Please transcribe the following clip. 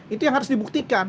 itu yang harus dibuktikan